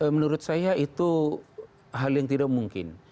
menurut saya itu hal yang tidak mungkin